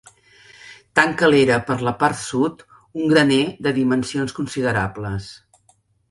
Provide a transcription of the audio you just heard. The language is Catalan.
Tanca l'era per la part sud un graner de dimensions considerables.